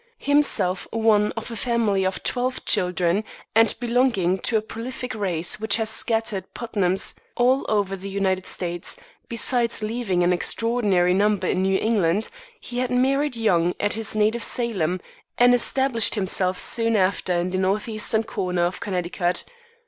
Himself one of a family of twelve children, and belonging to a prolific race which has scattered Putnams all over the United States, besides leaving an extraordinary number in New England, he had married young at his native Salem, and established himself soon after in the northeastern corner of Connecticut.